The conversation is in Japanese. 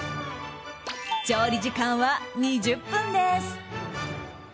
調理時間は２０分です。